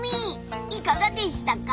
いかがでしたか？